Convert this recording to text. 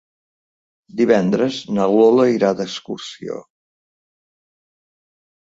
Divendres na Lola irà d'excursió.